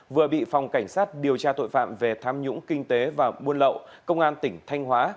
vừa bị phòng cảnh sát điều tra tội phạm về tham nhũng kinh tế và buôn lậu công an tỉnh thanh hóa